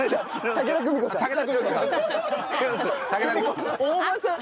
武田久美子さん。